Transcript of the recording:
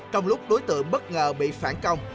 trong lúc đối tượng bất ngờ bị phản công